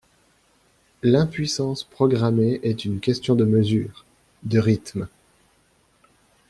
L’impuissance programmée est une question de mesure, de rythme.